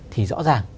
thì rõ ràng